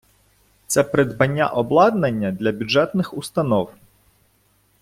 Це придбання обладнання для бюджетних установ.